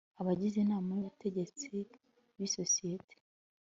abagize inama y ubutegetsi b isosiyete